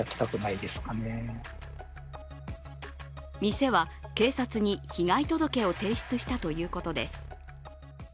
店は、警察に被害届を提出したということです。